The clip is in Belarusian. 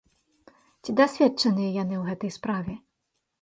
Ці дасведчаныя яны ў гэтай справе?